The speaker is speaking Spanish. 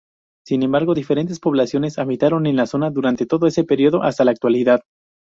Sin embargo, diferentes poblaciones habitaron la zona durante todo ese período hasta la actualidad.